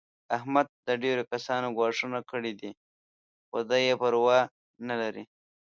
احمد ته ډېرو کسانو ګواښونه کړي دي. خو دی یې پروا نه لري.